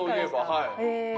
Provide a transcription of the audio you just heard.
はい。